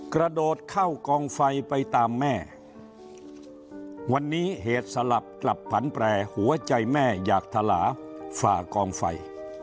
กระโดดเข้ากองไฟไปตามแม่วันนี้เหตุสลับกลับผันแปรหัวใจแม่อยากทลาฝ่ากองไฟ